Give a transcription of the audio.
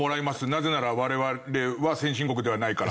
なぜなら我々は先進国ではないから。